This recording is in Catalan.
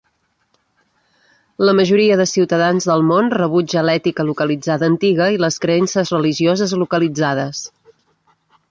La majoria de ciutadans del món rebutja l'ètica localitzada antiga i les creences religioses localitzades.